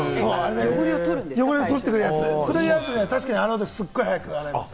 汚れを取ってくれるやつ、それをやると洗うとき、すごい早く洗えます。